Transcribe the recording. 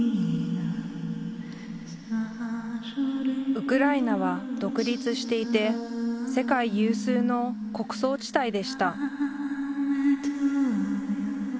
ウクライナは独立していて世界有数の穀倉地帯でした